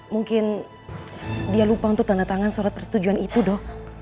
mungkin dia lupa untuk tanda tangan surat persetujuan itu dok